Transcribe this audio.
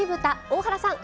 大原さん